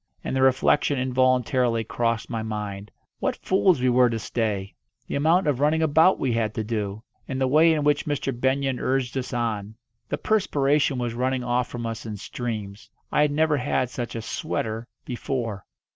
And the reflection involuntarily crossed my mind what fools we were to stay! The amount of running about we had to do! And the way in which Mr. Benyon urged us on! The perspiration was running off from us in streams I had never had such a "sweater" before!